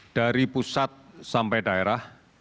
dari pusat sampai daerah